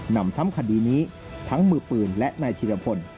นำซ้ำคดีนี้ทั้งมือปืนและนายธิรพล